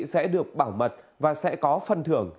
sẽ được bảo mật và sẽ có phân thưởng